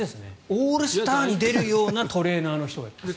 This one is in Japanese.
オールスターに出るようなトレーナーの人がいます。